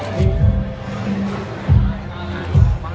สโลแมคริปราบาล